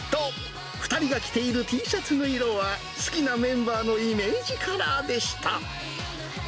２人が着ているＴシャツの色は、好きなメンバーのイメージカラーでした。